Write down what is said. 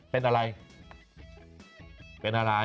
เป็นอะไร